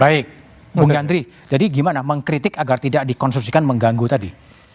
baik bung yandri jadi gimana mengkritik agar tidak dikonsumsikan mengganggu tadi